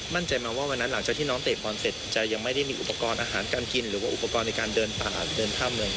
มั่นใจมาว่าวันนั้นหลังจากที่น้องเตะบอลเสร็จจะยังไม่ได้มีอุปกรณ์อาหารการกินหรือว่าอุปกรณ์ในการเดินป่าเดินถ้ำเลย